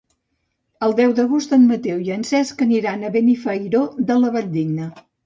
El deu d'agost en Mateu i en Cesc aniran a Benifairó de la Valldigna.